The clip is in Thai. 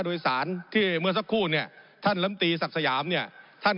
ผมอภิปรายเรื่องการขยายสมภาษณ์รถไฟฟ้าสายสีเขียวนะครับ